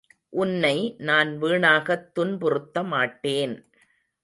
உன்னை நான் வீணாகத் துன்புறுத்தமாட்டேன்.